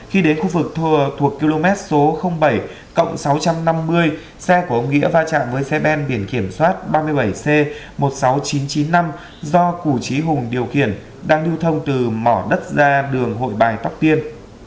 khi đến khu vực thuộc km số bảy cộng sáu trăm năm mươi xe của ông nghĩa va chạm với xe ben biển kiểm soát ba mươi bảy c một mươi sáu nghìn chín trăm chín mươi năm do củ trí hùng điều khiển đang lưu thông từ mỏ đất ra đường hội bài tóc tiên